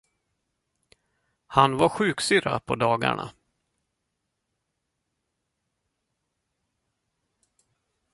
Han var sjuksyrra på dagarna.